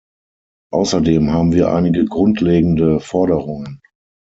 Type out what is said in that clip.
Außerdem haben wir einige grundlegende Forderungen.